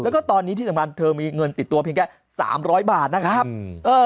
แล้วก็ตอนนี้ที่สำคัญเธอมีเงินติดตัวเพียงแค่สามร้อยบาทนะครับ